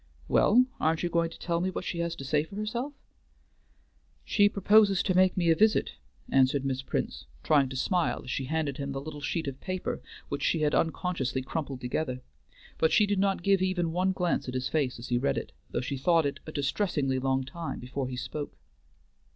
"Well, aren't you going to tell me what she has to say for herself?" "She proposes to make me a visit," answered Miss Prince, trying to smile as she handed him the little sheet of paper which she had unconsciously crumpled together; but she did not give even one glance at his face as he read it, though she thought it a distressingly long time before he spoke.